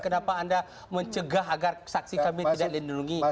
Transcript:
kenapa anda mencegah agar saksi kami tidak dilindungi